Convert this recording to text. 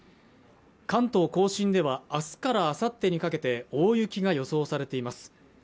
関東甲信ではあすからあさってにかけて大雪が予想されています